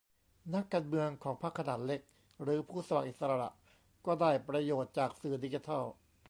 นักการเมืองของพรรคขนาดเล็ก หรือผู้สมัครอิสระก็ได้ประโยชน์จากสื่อดิจิทัล